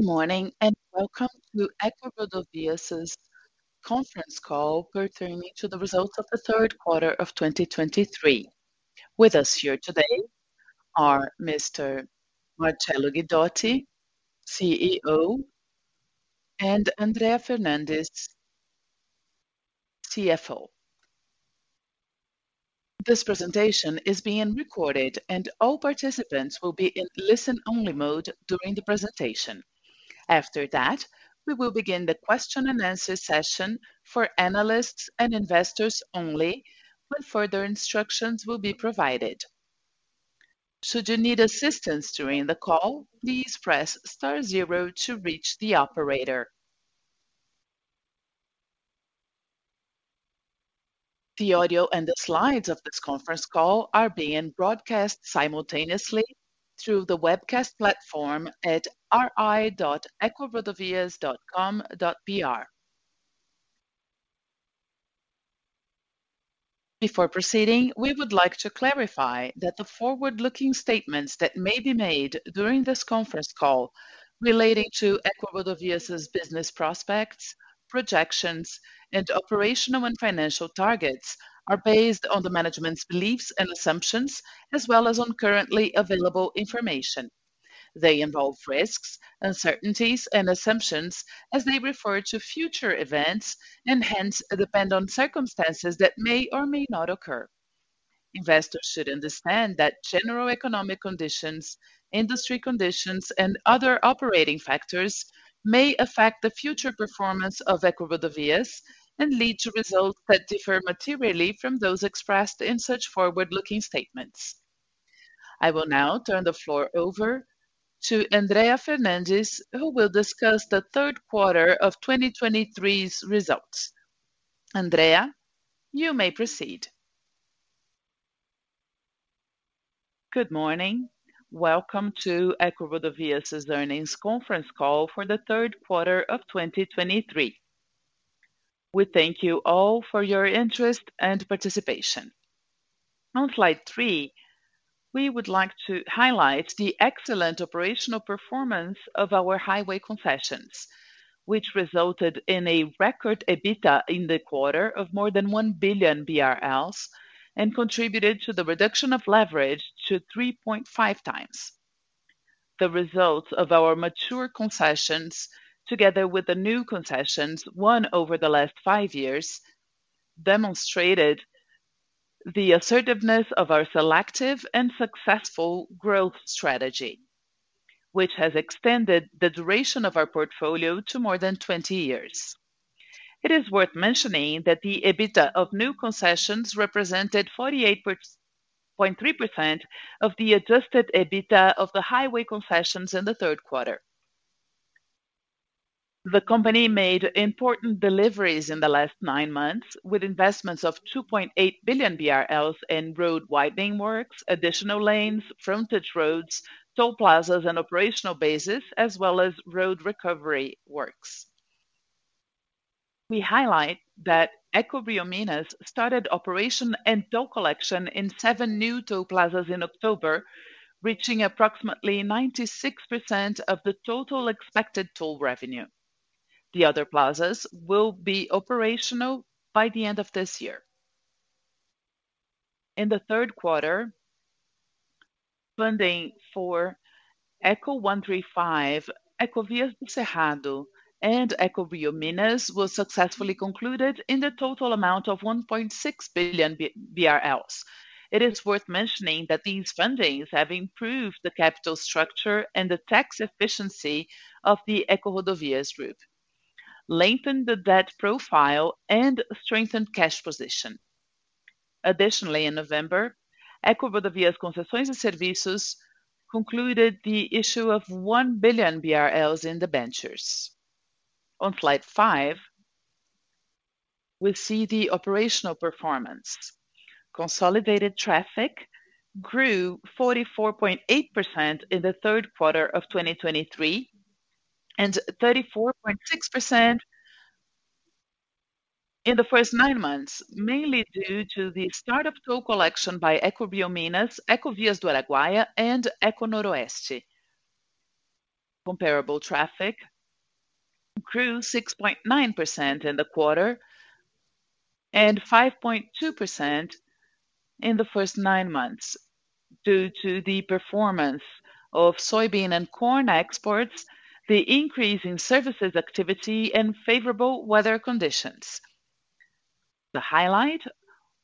Good morning, and welcome to EcoRodovias' conference call pertaining to the results of the third quarter of 2023. With us here today are Mr. Marcello Guidotti, CEO, and Andrea Fernandes, CFO. This presentation is being recorded, and all participants will be in listen-only mode during the presentation. After that, we will begin the question and answer session for analysts and investors only, when further instructions will be provided. Should you need assistance during the call, please press star zero to reach the operator. The audio and the slides of this conference call are being broadcast simultaneously through the webcast platform at ri.ecorodovias.com.br. Before proceeding, we would like to clarify that the forward-looking statements that may be made during this conference call relating to EcoRodovias' business prospects, projections, and operational and financial targets, are based on the management's beliefs and assumptions, as well as on currently available information. They involve risks, uncertainties, and assumptions as they refer to future events, and hence depend on circumstances that may or may not occur. Investors should understand that general economic conditions, industry conditions, and other operating factors may affect the future performance of EcoRodovias and lead to results that differ materially from those expressed in such forward-looking statements. I will now turn the floor over to Andrea Fernandes, who will discuss the third quarter of 2023's results. Andrea, you may proceed. Good morning. Welcome to EcoRodovias' earnings conference call for the third quarter of 2023. We thank you all for your interest and participation. On slide three, we would like to highlight the excellent operational performance of our highway concessions, which resulted in a record EBITDA in the quarter of more than 1 billion BRL, and contributed to the reduction of leverage to 3.5x. The results of our mature concessions, together with the new concessions won over the last five years, demonstrated the assertiveness of our selective and successful growth strategy, which has extended the duration of our portfolio to more than 20 years. It is worth mentioning that the EBITDA of new concessions represented 48.3% of the Adjusted EBITDA of the highway concessions in the third quarter. The company made important deliveries in the last nine months, with investments of 2.8 billion BRL in road widening works, additional lanes, frontage roads, toll plazas, and operational bases, as well as road recovery works. We highlight that EcoRioMinas started operation and toll collection in seven new toll plazas in October, reaching approximately 96% of the total expected toll revenue. The other plazas will be operational by the end of this year. In the third quarter, funding for ECO135, Ecovias do Cerrado, and EcoRioMinas was successfully concluded in the total amount of 1.6 billion BRL. It is worth mentioning that these fundings have improved the capital structure and the tax efficiency of the EcoRodovias group, lengthened the debt profile, and strengthened cash position. Additionally, in November, EcoRodovias Concessões e Serviços concluded the issue of 1 billion BRL in debentures. On slide five, we see the operational performance. Consolidated traffic grew 44.8% in the third quarter of 2023, and 34.6% in the first nine months, mainly due to the start of toll collection by EcoRioMinas, Ecovias do Araguaia, and EcoNoroeste. Comparable traffic grew 6.9% in the quarter, and 5.2% in the first nine months due to the performance of soybean and corn exports, the increase in services activity, and favorable weather conditions. The highlight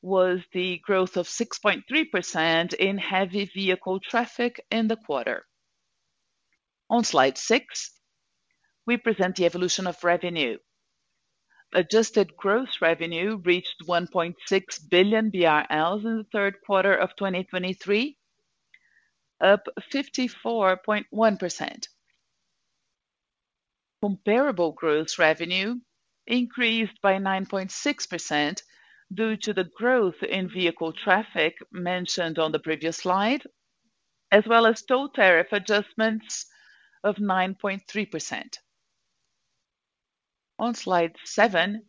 was the growth of 6.3% in heavy vehicle traffic in the quarter. On slide six, we present the evolution of revenue. Adjusted gross revenue reached 1.6 billion BRL in the third quarter of 2023, up 54.1%. Comparable gross revenue increased by 9.6% due to the growth in vehicle traffic mentioned on the previous slide, as well as toll tariff adjustments of 9.3%. On slide seven,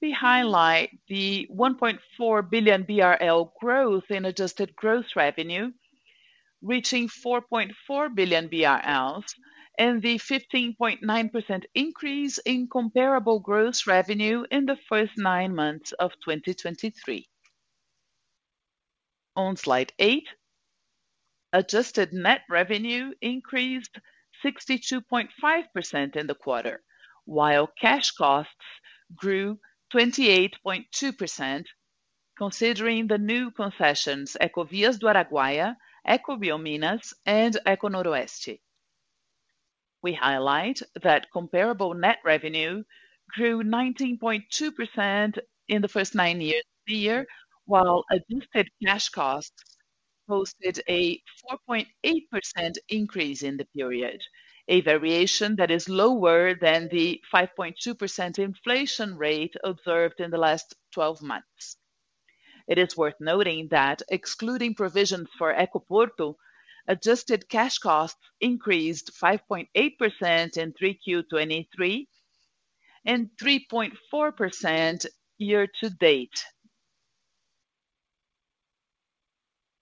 we highlight the 1.4 billion BRL growth in adjusted gross revenue, reaching 4.4 billion BRL, and the 15.9% increase in comparable gross revenue in the first nine months of 2023. On slide eight, adjusted net revenue increased 62.5% in the quarter, while cash costs grew 28.2%, considering the new concessions, Ecovias do Araguaia, EcoRioMinas, and EcoNoroeste. We highlight that comparable net revenue grew 19.2% in the first nine years of the year, while adjusted cash costs posted a 4.8% increase in the period, a variation that is lower than the 5.2% inflation rate observed in the last twelve months. It is worth noting that excluding provision for Ecoporto, adjusted cash costs increased 5.8% in 3Q 2023, and 3.4% year-to-date.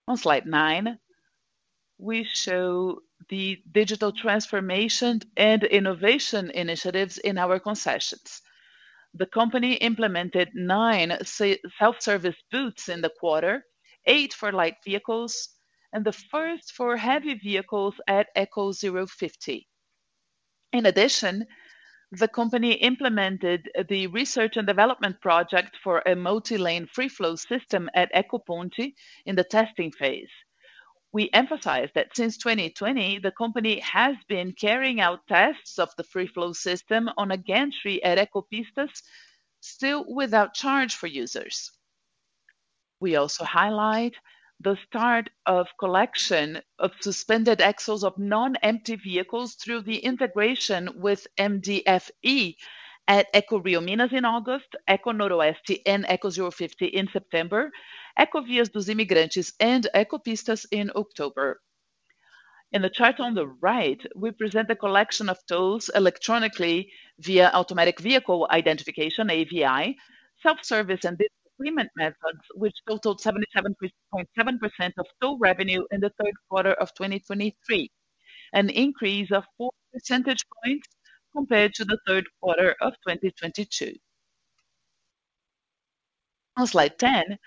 On slide nine, we show the digital transformation and innovation initiatives in our concessions. The company implemented nine self-service booths in the quarter, eight for light vehicles and the first for heavy vehicles at Eco050. In addition, the company implemented the research and development project for a multi-lane free flow system at Ecoponte in the testing phase. We emphasize that since 2020, the company has been carrying out tests of the Free Flow system on a gantry at Ecopistas, still without charge for users. We also highlight the start of collection of suspended axles of non-empty vehicles through the integration with MDFE at EcoRioMinas in August, EcoNoroeste and Eco050 in September, Ecovias dos Imigrantes and Ecopistas in October. In the chart on the right, we present the collection of tolls electronically via automatic vehicle identification, AVI, self-service and digital payment methods, which totaled 77.7% of toll revenue in the third quarter of 2023, an increase of 4 percentage points compared to the third quarter of 2022. On slide 10,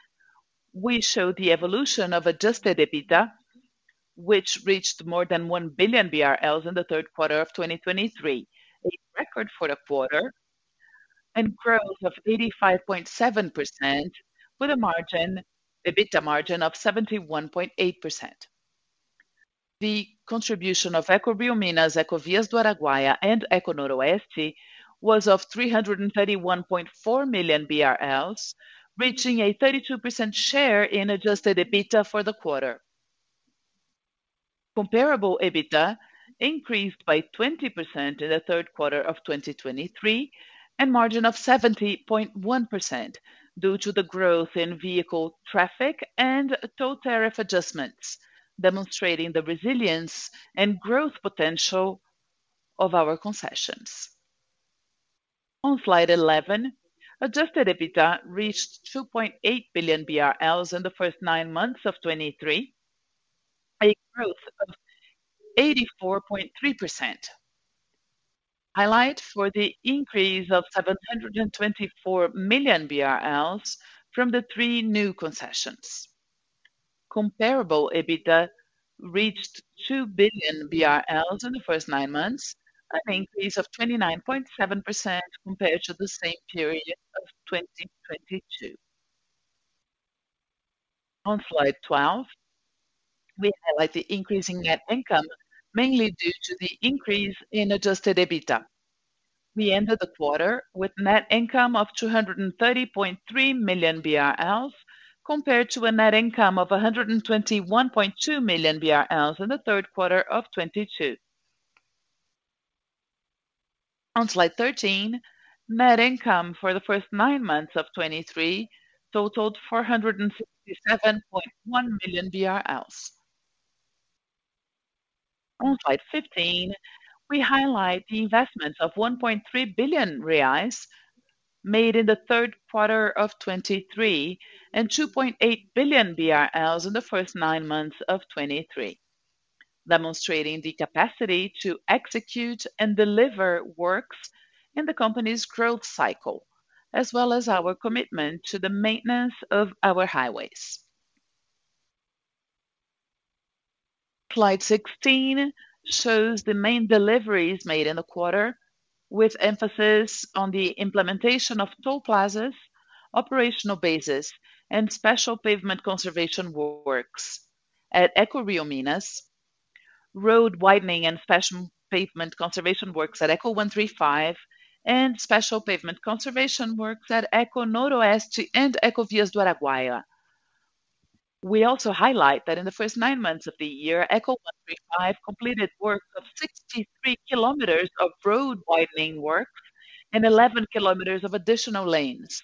we show the evolution of Adjusted EBITDA, which reached more than 1 billion BRL in the third quarter of 2023, a record for the quarter and growth of 85.7%, with a margin—EBITDA margin of 71.8%. The contribution of EcoRioMinas, Ecovias do Araguaia, and EcoNoroeste was of 331.4 million BRL, reaching a 32% share in Adjusted EBITDA for the quarter. Comparable EBITDA increased by 20% in the third quarter of 2023, and margin of 70.1%, due to the growth in vehicle traffic and toll tariff adjustments, demonstrating the resilience and growth potential of our concessions. On slide 11, Adjusted EBITDA reached 2.8 billion BRL in the first nine months of 2023, a growth of 84.3%. Highlights were the increase of 724 million BRL from the three new concessions. Comparable EBITDA reached 2 billion BRL in the first nine months, an increase of 29.7% compared to the same period of 2022. On slide 12, we highlight the increase in net income, mainly due to the increase in Adjusted EBITDA. We ended the quarter with net income of 230.3 million BRL, compared to a net income of 121.2 million BRL in the third quarter of 2022. On slide 13, net income for the first nine months of 2023 totaled 467.1 million BRL. On slide 15, we highlight the investments of 1.3 billion reais made in the third quarter of 2023, and 2.8 billion BRL in the first nine months of 2023, demonstrating the capacity to execute and deliver works in the company's growth cycle, as well as our commitment to the maintenance of our highways. Slide 16 shows the main deliveries made in the quarter, with emphasis on the implementation of toll plazas, operational bases, and special pavement conservation works at EcoRioMinas, road widening and pavement conservation works at ECO135, and special pavement conservation works at EcoNoroeste and Ecovias do Araguaia. We also highlight that in the first nine months of the year, ECO135 completed work of 63 km of road widening work and 11 km of additional lanes....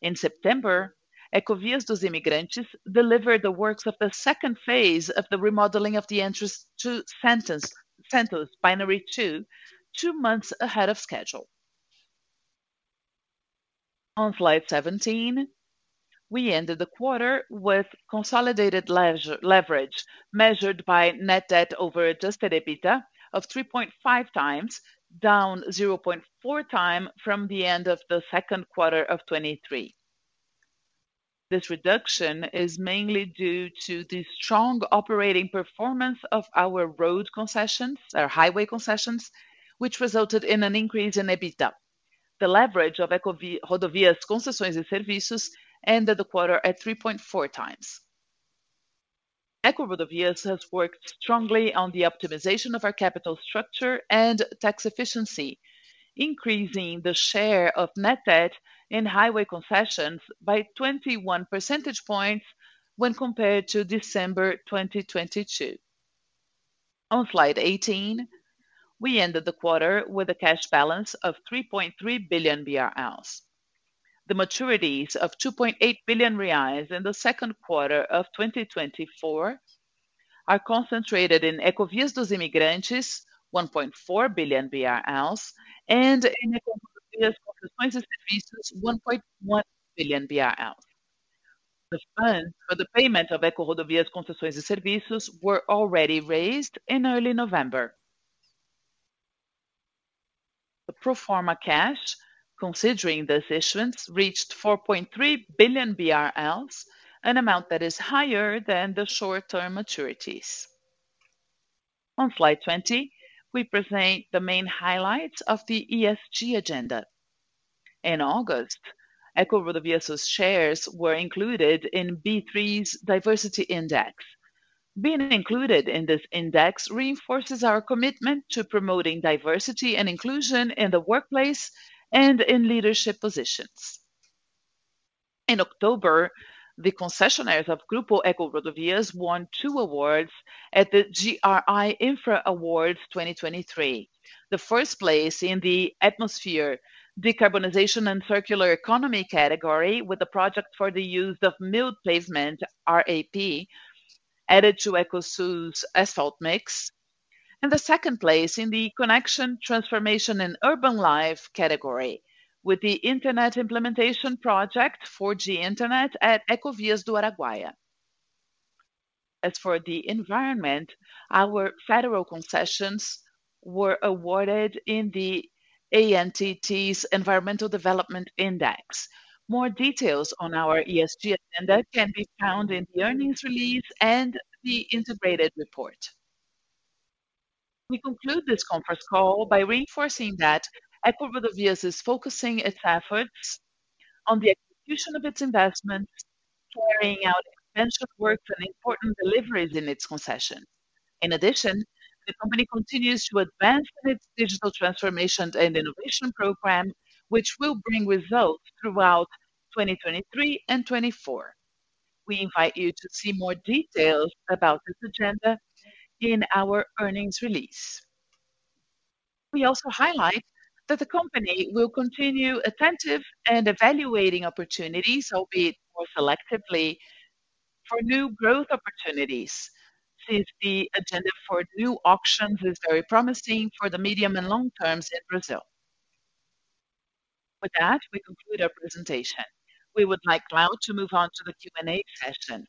In September, Ecovias dos Imigrantes delivered the works of the second phase of the remodeling of the entrance to Santos, Santos Binary Two, two months ahead of schedule. On slide 17, we ended the quarter with consolidated leverage, measured by net debt over Adjusted EBITDA of 3.5x, down 0.4x from the end of the second quarter of 2023. This reduction is mainly due to the strong operating performance of our road concessions, our highway concessions, which resulted in an increase in EBITDA. The leverage of EcoRodovias Concessões e Serviços ended the quarter at 3.4x. EcoRodovias has worked strongly on the optimization of our capital structure and tax efficiency, increasing the share of net debt in highway concessions by 21 percentage points when compared to December 2022. On slide 18, we ended the quarter with a cash balance of 3.3 billion BRL. The maturities of 2.8 billion reais in the second quarter of 2024 are concentrated in Ecovias dos Imigrantes, 1.4 billion BRL, and in EcoRodovias Concessões e Serviços, 1.1 billion BRL. The funds for the payment of EcoRodovias Concessões e Serviços were already raised in early November. The pro forma cash, considering those issuance, reached 4.3 billion BRL, an amount that is higher than the short-term maturities. On slide 20, we present the main highlights of the ESG agenda. In August, EcoRodovias' shares were included in B3's Diversity Index. Being included in this index reinforces our commitment to promoting diversity and inclusion in the workplace and in leadership positions. In October, the concessionaires of Grupo EcoRodovias won two awards at the GRI Infra Awards 2023. The first place in the atmosphere, Decarbonization and Circular Economy category, with a project for the use of milled pavement, RAP, added to Ecosul's asphalt mix. The second place in the Connection, Transformation, and Urban Life category, with the Internet Implementation Project, 4G Internet at Ecovias do Araguaia. As for the environment, our federal concessions were awarded in the ANTT's Environmental Development Index. More details on our ESG agenda can be found in the earnings release and the integrated report. We conclude this conference call by reinforcing that EcoRodovias is focusing its efforts on the execution of its investments, carrying out extensive works and important deliveries in its concession. In addition, the company continues to advance in its digital transformation and innovation program, which will bring results throughout 2023 and 2024. We invite you to see more details about this agenda in our earnings release. We also highlight that the company will continue attentive and evaluating opportunities, albeit more selectively, for new growth opportunities, since the agenda for new auctions is very promising for the medium and long terms in Brazil. With that, we conclude our presentation. We would like now to move on to the Q&A session.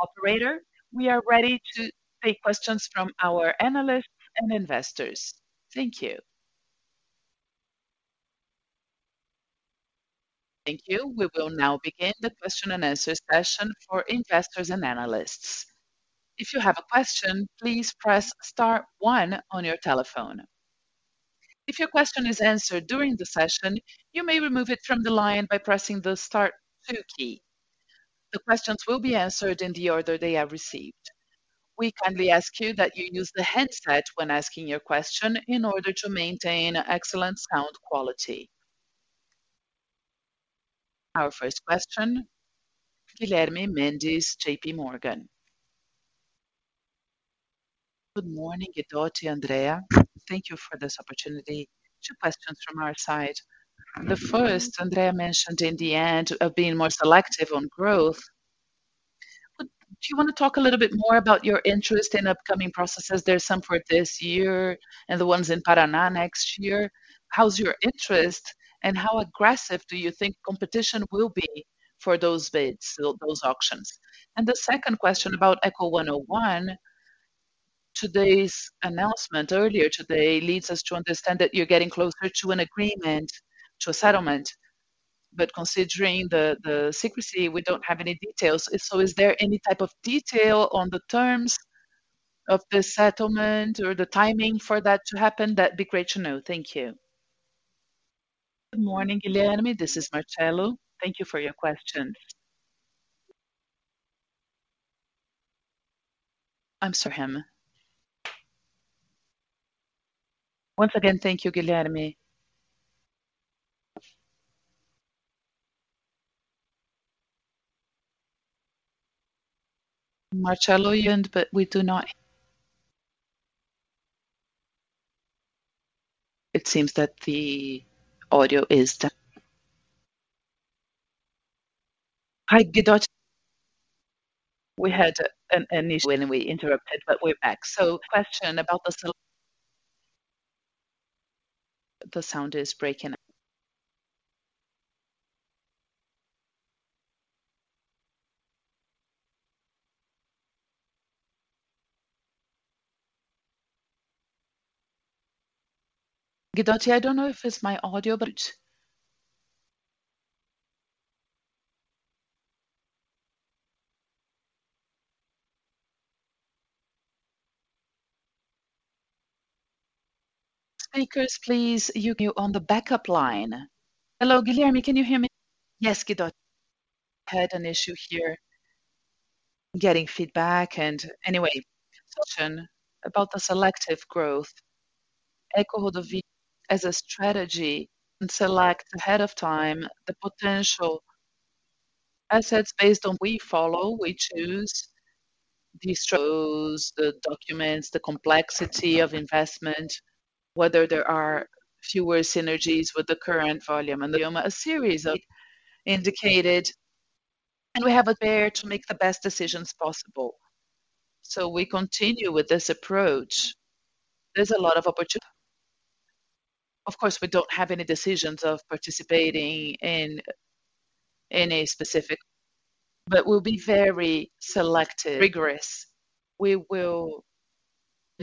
Operator, we are ready to take questions from our analysts and investors. Thank you. Thank you. We will now begin the question and answer session for investors and analysts. If you have a question, please press star one on your telephone. If your question is answered during the session, you may remove it from the line by pressing the star two key. The questions will be answered in the order they are received. We kindly ask you that you use the headset when asking your question in order to maintain excellent sound quality. Our first question: Guilherme Mendes, JPMorgan. Good morning, Guidotti and Andrea. Thank you for this opportunity. Two questions from our side. The first, Andrea mentioned in the end of being more selective on growth. Would you wanna talk a little bit more about your interest in upcoming processes? There's some for this year and the ones in Paraná next year. How's your interest, and how aggressive do you think competition will be for those bids, those auctions? And the second question about ECO101. Today's announcement, earlier today, leads us to understand that you're getting closer to an agreement to a settlement, but considering the secrecy, we don't have any details. So is there any type of detail on the terms of the settlement or the timing for that to happen? That'd be great to know. Thank you. Good morning, Guilherme. This is Marcello. Thank you for your question. I'm sorry. Once again, thank you, Guilherme. Marcello, you end, but we do not hear... It seems that the audio is de... Hi, Guidotti. We had an issue when we interrupted, but we're back. So question about the se... The sound is breaking up. Guidotti, I don't know if it's my audio, but... Speakers, please, you can go on the backup line. Hello, Guilherme, can you hear me? Yes, Guidotti. Had an issue here getting feedback, and anyway, question about the selective growth. EcoRodovias as a strategy and select ahead of time the potential assets based on we follow, we choose these shows, the documents, the complexity of investment, whether there are fewer synergies with the current volume, and a series of indicated, and we have it there to make the best decisions possible. We continue with this approach. There's a lot of opportunity. Of course, we don't have any decisions of participating in any specific, but we'll be very selective, rigorous. We will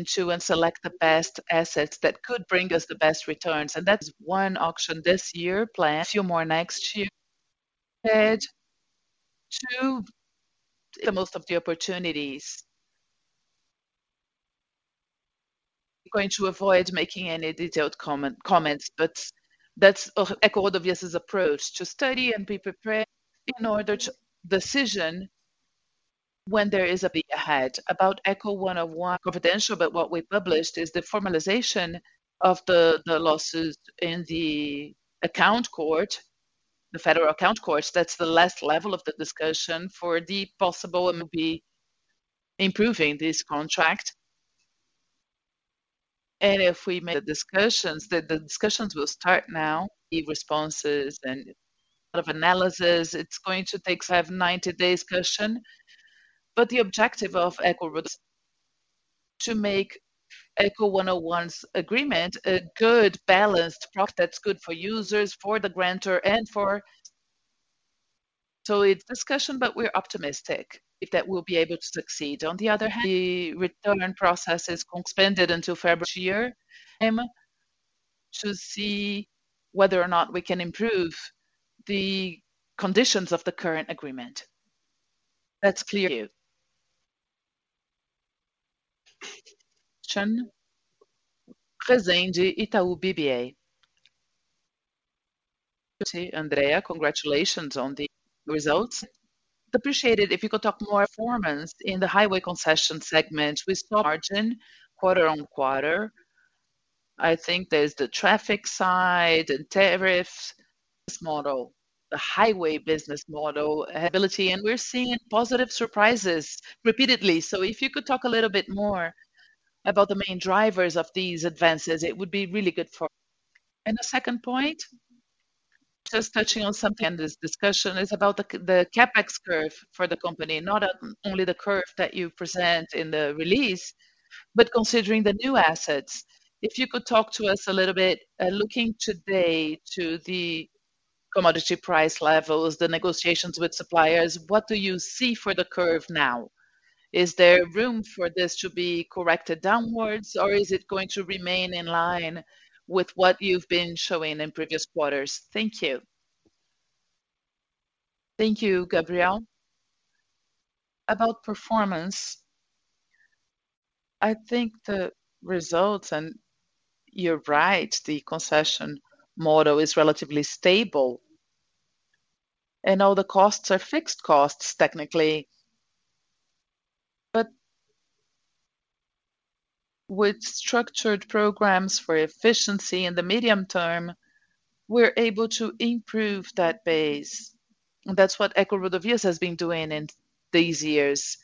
choose and select the best assets that could bring us the best returns, and that's one auction this year, plan a few more next year, add to the most of the opportunities. I'm going to avoid making any detailed comment, comments, but that's, EcoRodovias' approach, to study and be prepared in order to decision when there is a big ahead. About ECO101 confidential, but what we published is the formalization of the losses in the account court, the federal account courts. That's the last level of the discussion for the possible and will be improving this contract. If we make the discussions, the discussions will start now, the responses and sort of analysis, it's going to take so I have 90 days discussion. But the objective of EcoRodovias, to make ECO101's agreement a good, balanced product that's good for users, for the grantor, and for... So it's discussion, but we're optimistic if that we'll be able to succeed. On the other hand, the return process is extended until February year, to see whether or not we can improve the conditions of the current agreement. That's clear to you. Gabriel Chen, Itaú BBA. Andrea, congratulations on the results. Appreciate it if you could talk more performance in the highway concession segment with margin quarter-on-quarter. I think there's the traffic side, the tariffs model, the highway business model ability, and we're seeing positive surprises repeatedly. So if you could talk a little bit more about the main drivers of these advances, it would be really good for us. And the second point, just touching on something in this discussion, is about the CapEx curve for the company, not only the curve that you present in the release, but considering the new assets. If you could talk to us a little bit, looking today to the commodity price levels, the negotiations with suppliers, what do you see for the curve now? Is there room for this to be corrected downwards, or is it going to remain in line with what you've been showing in previous quarters? Thank you. Thank you, Guilherme. About performance, I think the results, and you're right, the concession model is relatively stable, and all the costs are fixed costs, technically. But with structured programs for efficiency in the medium term, we're able to improve that base, and that's what EcoRodovias has been doing in these years,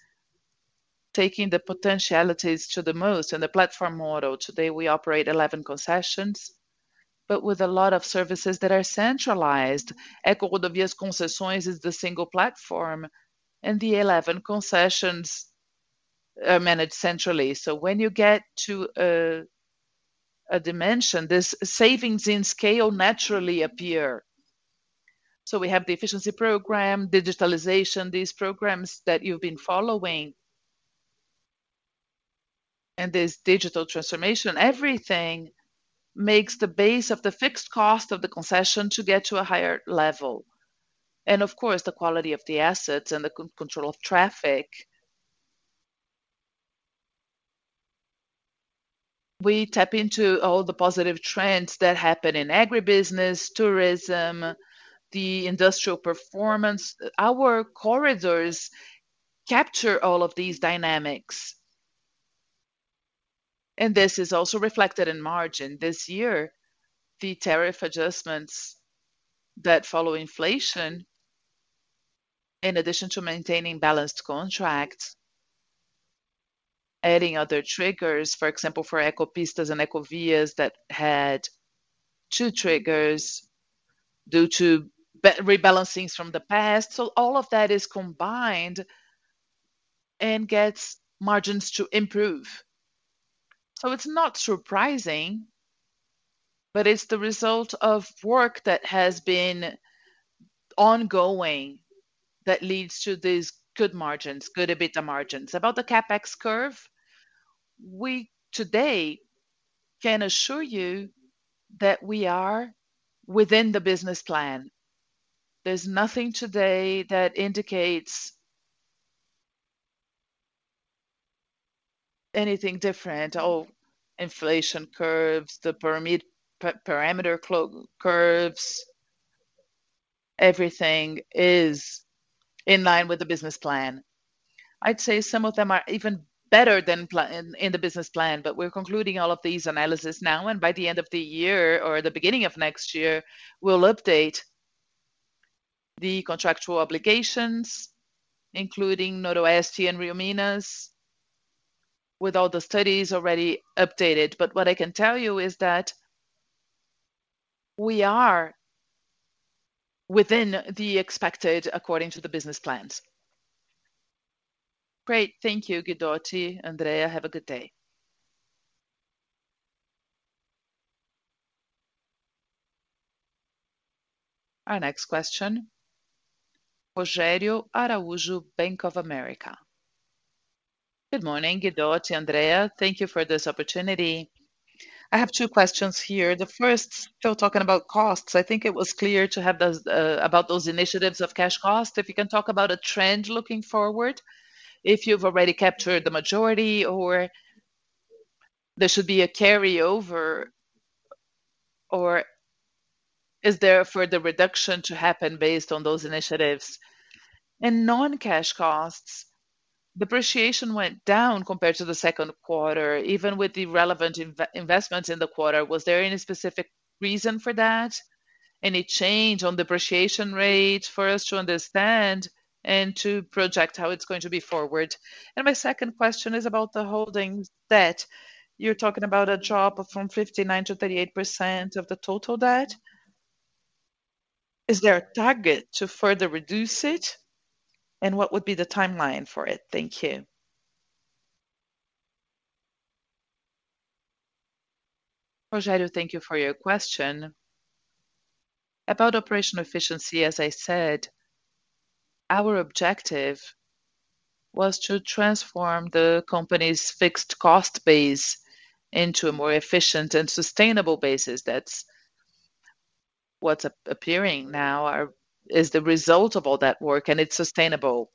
taking the potentialities to the most in the platform model. Today, we operate 11 concessions, but with a lot of services that are centralized. EcoRodovias Concessões is the single platform, and the 11 concessions are managed centrally. So when you get to a dimension, this savings in scale naturally appear. So we have the efficiency program, digitalization, these programs that you've been following, and this digital transformation, everything makes the base of the fixed cost of the concession to get to a higher level. And of course, the quality of the assets and the control of traffic. We tap into all the positive trends that happen in agribusiness, tourism, the industrial performance. Our corridors capture all of these dynamics, and this is also reflected in margin. This year, the tariff adjustments that follow inflation. In addition to maintaining balanced contracts, adding other triggers, for example, for Ecopistas and Ecovias that had two triggers due to rebalancings from the past. So all of that is combined and gets margins to improve. So it's not surprising, but it's the result of work that has been ongoing that leads to these good margins, good EBITDA margins. About the CapEx curve, we today can assure you that we are within the business plan. There's nothing today that indicates anything different. All inflation curves, the pyramid, P-parameter curves, everything is in line with the business plan. I'd say some of them are even better than plan, in, in the business plan, but we're concluding all of these analysis now, and by the end of the year or the beginning of next year, we'll update the contractual obligations, including Noroeste and Rio-Minas, with all the studies already updated. But what I can tell you is that we are within the expected, according to the business plans. Great, thank you, Guidotti, Andrea. Have a good day. Our next question, Rogério Araújo, Bank of America. Good morning, Guidotti, Andrea. Thank you for this opportunity. I have two questions here. The first, still talking about costs, I think it was clear to have those, about those initiatives of cash cost. If you can talk about a trend looking forward, if you've already captured the majority, or there should be a carryover, or is there a further reduction to happen based on those initiatives? And non-cash costs, depreciation went down compared to the second quarter, even with the relevant investments in the quarter. Was there any specific reason for that? Any change on depreciation rate for us to understand and to project how it's going to be forward? And my second question is about the holdings debt. You're talking about a drop from 59% to 38% of the total debt. Is there a target to further reduce it, and what would be the timeline for it? Thank you. Rogério, thank you for your question. About operational efficiency, as I said, our objective was to transform the company's fixed cost base into a more efficient and sustainable basis. That's what's appearing now is the result of all that work, and it's sustainable.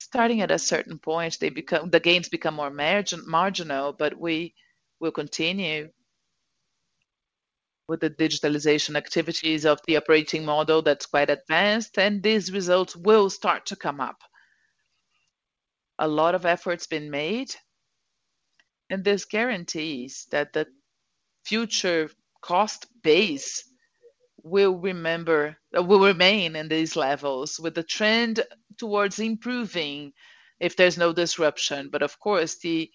Starting at a certain point, the gains become more marginal, but we will continue with the digitalization activities of the operating model that's quite advanced, and these results will start to come up. A lot of effort's been made, and this guarantees that the future cost base will remain in these levels, with the trend towards improving if there's no disruption. But of course, the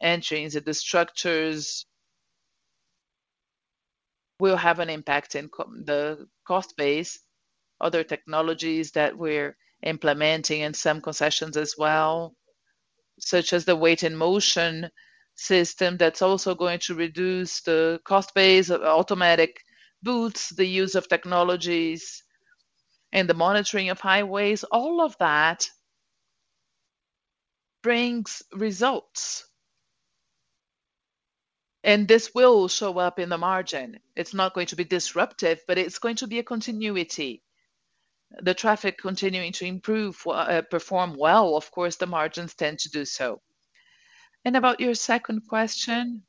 entries and the structures will have an impact on the cost base. Other technologies that we're implementing in some concessions as well, such as the weight in motion system, that's also going to reduce the cost base, automatic booths, the use of technologies and the monitoring of highways, all of that brings results, and this will show up in the margin. It's not going to be disruptive, but it's going to be a continuity. The traffic continuing to improve, perform well, of course, the margins tend to do so. And about your second question,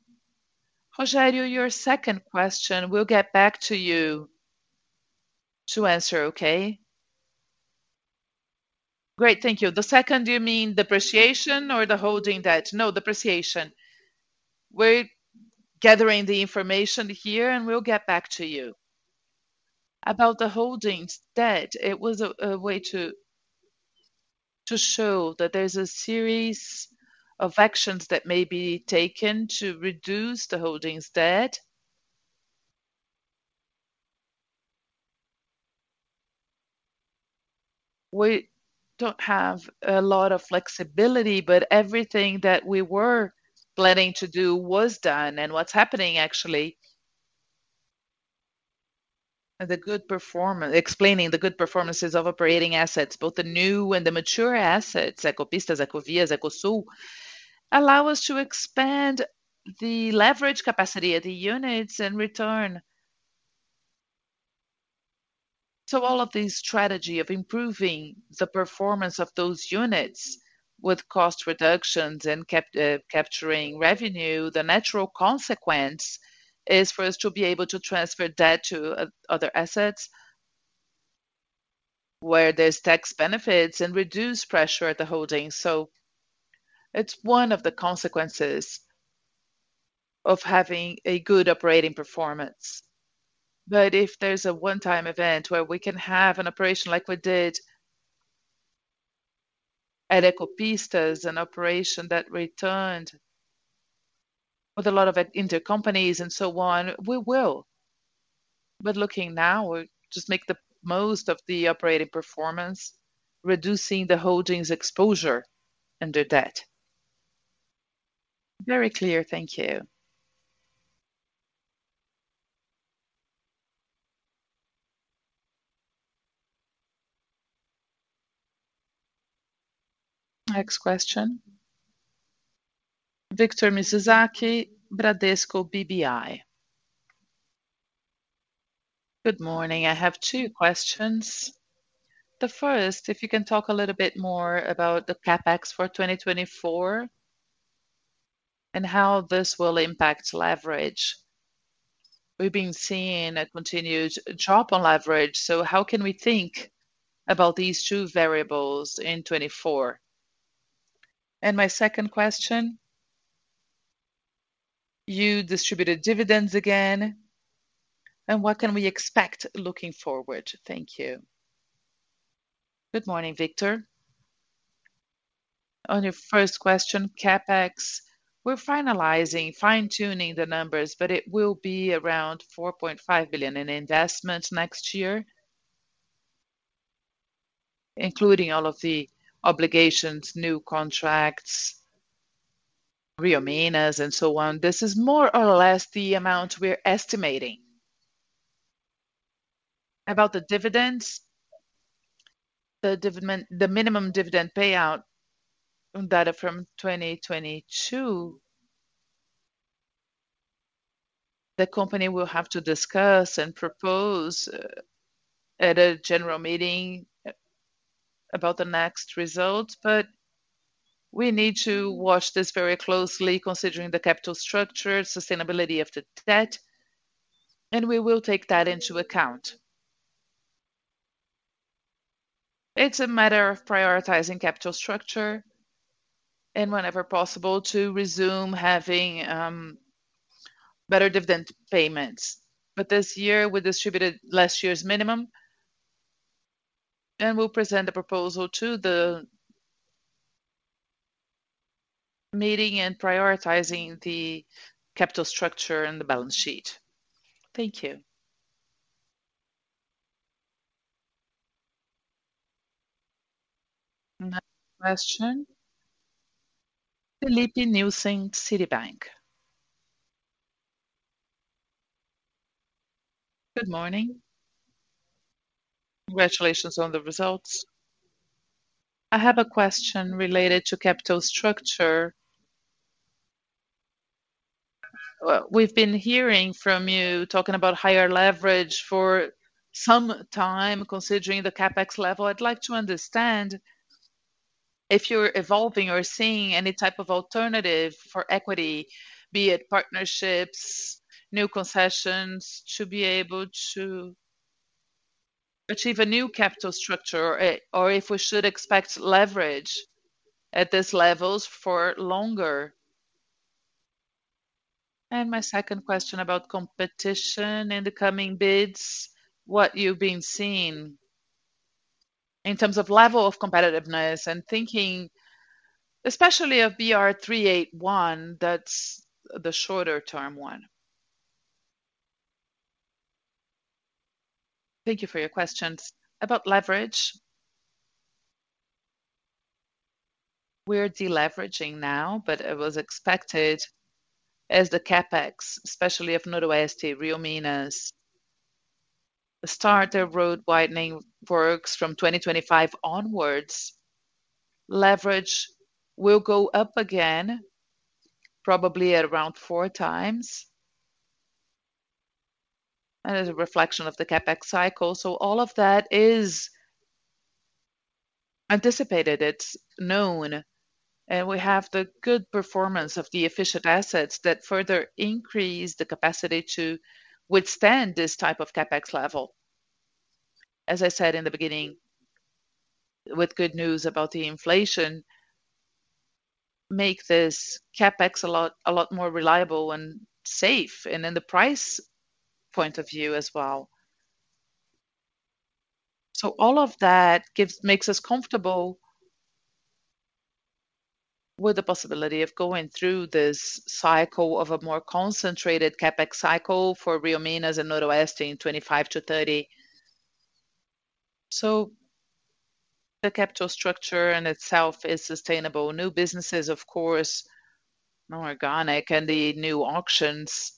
Rogério, your second question, we'll get back to you to answer, okay? Great, thank you. The second, do you mean depreciation or the holding debt? No, depreciation. We're gathering the information here, and we'll get back to you. About the holdings debt, it was a way to show that there's a series of actions that may be taken to reduce the holdings debt. We don't have a lot of flexibility, but everything that we were planning to do was done. And what's happening, actually, the good perform... Explaining the good performances of operating assets, both the new and the mature assets, Ecopistas, Ecovias, Ecosul, allow us to expand the leverage capacity of the units and return. So all of this strategy of improving the performance of those units with cost reductions and capturing revenue, the natural consequence is for us to be able to transfer debt to other assets, where there's tax benefits and reduce pressure at the holding. So it's one of the consequences of having a good operating performance. But if there's a one-time event where we can have an operation like we did at Ecopistas, an operation that returned with a lot of it intercompanies and so on, we will. But looking now, we just make the most of the operating performance, reducing the holding's exposure and their debt. Very clear. Thank you. Next question, Victor Mizusaki, Bradesco BBI. Good morning. I have two questions. The first, if you can talk a little bit more about the CapEx for 2024, and how this will impact leverage. We've been seeing a continued drop on leverage, so how can we think about these two variables in 2024? And my second question, you distributed dividends again, and what can we expect looking forward? Thank you. Good morning, Victor. On your first question, CapEx, we're finalizing, fine-tuning the numbers, but it will be around 4.5 billion in investments next year, including all of the obligations, new contracts, Rio Minas, and so on. This is more or less the amount we're estimating. About the dividends, the minimum dividend payout data from 2022, the company will have to discuss and propose at a general meeting about the next results. But we need to watch this very closely, considering the capital structure, sustainability of the debt, and we will take that into account. It's a matter of prioritizing capital structure and whenever possible, to resume having better dividend payments. But this year, we distributed last year's minimum, and we'll present a proposal to the meeting and prioritizing the capital structure and the balance sheet. Thank you. Next question, Filipe Nielsen, Citibank. Good morning. Congratulations on the results. I have a question related to capital structure. We've been hearing from you talking about higher leverage for some time, considering the CapEx level. I'd like to understand if you're evolving or seeing any type of alternative for equity, be it partnerships, new concessions, to be able to achieve a new capital structure, or a, or if we should expect leverage at these levels for longer? My second question about competition in the coming bids, what you've been seeing in terms of level of competitiveness and thinking especially of BR-381, that's the shorter term one. Thank you for your questions. About leverage, we're deleveraging now, but it was expected as the CapEx, especially of Noroeste, RioMinas, start their road widening works from 2025 onwards, leverage will go up again, probably at around 4x. And there's a reflection of the CapEx cycle. So all of that is anticipated, it's known, and we have the good performance of the efficient assets that further increase the capacity to withstand this type of CapEx level. As I said in the beginning, with good news about the inflation, make this CapEx a lot, a lot more reliable and safe, and in the price point of view as well. So all of that makes us comfortable with the possibility of going through this cycle of a more concentrated CapEx cycle for RioMinas and Noroeste in 2025-2030. So the capital structure in itself is sustainable. New businesses, of course, more organic and the new auctions,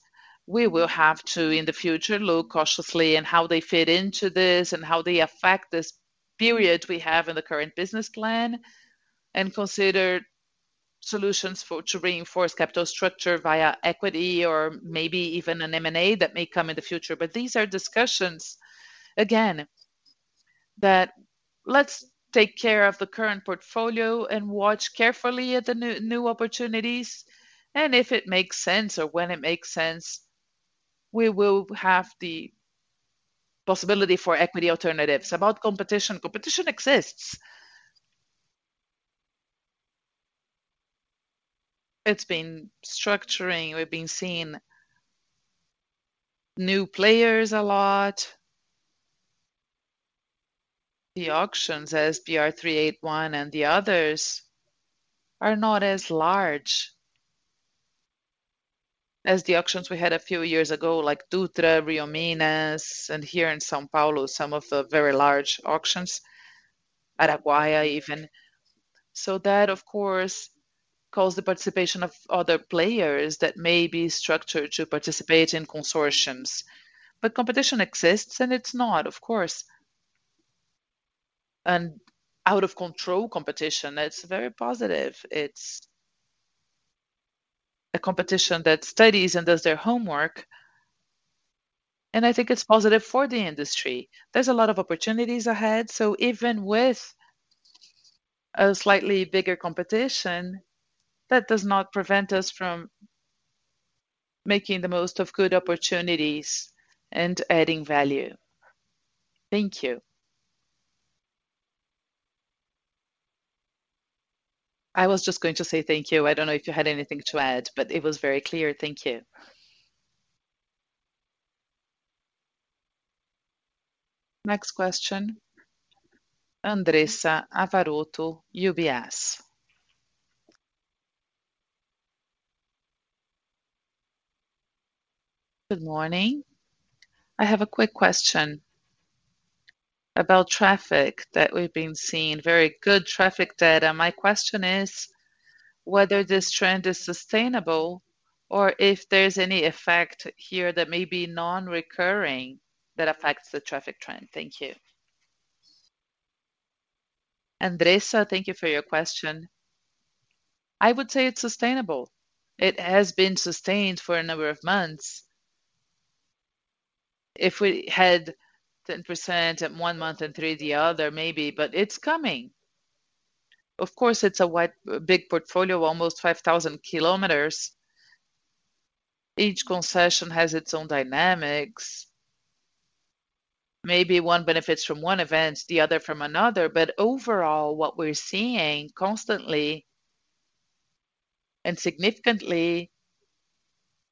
we will have to, in the future, look cautiously in how they fit into this and how they affect this period we have in the current business plan. And consider solutions for, to reinforce capital structure via equity or maybe even an M&A that may come in the future. But these are discussions, again, that let's take care of the current portfolio and watch carefully at the new, new opportunities, and if it makes sense or when it makes sense, we will have the possibility for equity alternatives. About competition, competition exists. It's been structuring. We've been seeing new players a lot. The auctions, BR-381 and the others, are not as large as the auctions we had a few years ago, like Dutra, Rio-Minas, and here in São Paulo, some of the very large auctions, Araguaia, even. So that, of course, calls the participation of other players that may be structured to participate in consortiums. But competition exists, and it's not, of course, an out-of-control competition. It's very positive. It's a competition that studies and does their homework, and I think it's positive for the industry. There's a lot of opportunities ahead, so even with a slightly bigger competition, that does not prevent us from making the most of good opportunities and adding value. Thank you. I was just going to say thank you. I don't know if you had anything to add, but it was very clear. Thank you. Next question, Andressa Varotto, UBS. Good morning. I have a quick question about traffic, that we've been seeing very good traffic data. My question is whether this trend is sustainable, or if there's any effect here that may be non-recurring, that affects the traffic trend. Thank you. Andressa, thank you for your question. I would say it's sustainable. It has been sustained for a number of months. If we had 10% one month and 3% the other, maybe, but it's coming. Of course, it's a wide, a big portfolio, almost 5,000km. Each concession has its own dynamics. Maybe one benefits from one event, the other from another. But overall, what we're seeing constantly and significantly,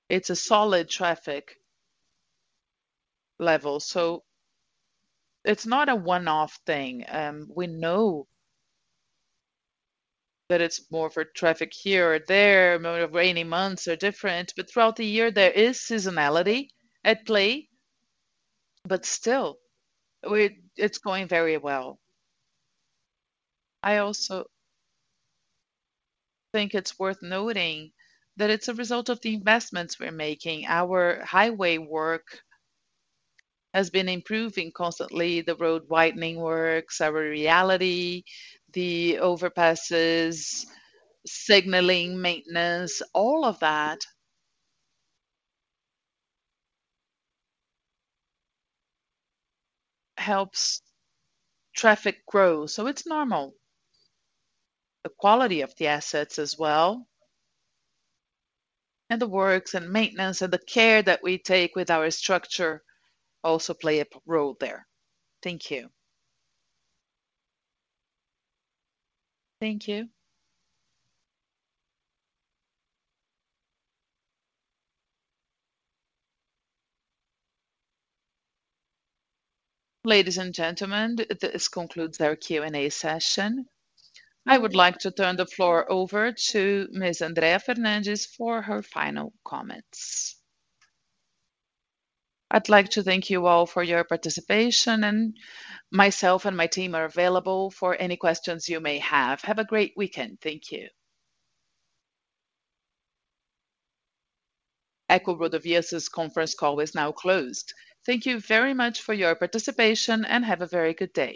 it's a solid traffic level, so it's not a one-off thing. We know that it's more for traffic here or there, rainy months are different, but throughout the year, there is seasonality at play, but still, it's going very well. I also think it's worth noting that it's a result of the investments we're making. Our highway work has been improving constantly, the road widening works, our reality, the overpasses, signaling, maintenance, all of that... helps traffic grow, so it's normal. The quality of the assets as well, and the works, and maintenance, and the care that we take with our structure also play a role there. Thank you. Thank you. Ladies and gentlemen, this concludes our Q&A session. I would like to turn the floor over to Ms. Andrea Fernandes for her final comments. I'd like to thank you all for your participation, and myself and my team are available for any questions you may have. Have a great weekend. Thank you. EcoRodovias' conference call is now closed. Thank you very much for your participation, and have a very good day.